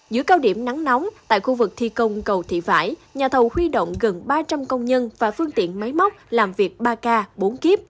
giữa cao điểm nắng nóng tại khu vực thi công cầu thị vải nhà thầu huy động gần ba trăm linh công nhân và phương tiện máy móc làm việc ba k bốn kíp